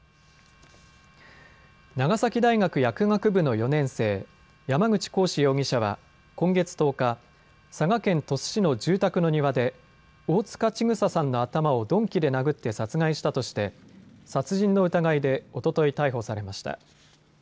長崎大学薬学部の４年生、山口鴻志容疑者は今月１０日、佐賀県鳥栖市の住宅の庭で大塚千種さんの頭を鈍器で殴って殺害したとして殺人の疑いでおととい逮捕されました。